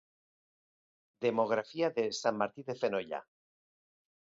Demografia de Sant Martí de Fenollar.